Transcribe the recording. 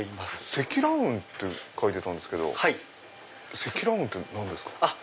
積乱雲って書いてたんですけど積乱雲って何ですか？